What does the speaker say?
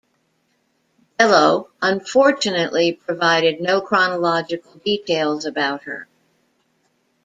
Bello, unfortunately provided no chronological details about her.